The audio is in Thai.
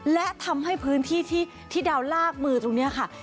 และทำให้พื้นที่ที่ดาวลากมือตรงนี้ค่ะ